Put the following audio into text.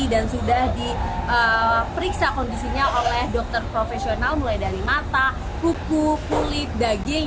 dan sudah diperiksa kondisinya oleh dokter profesional mulai dari mata kuku kulit daging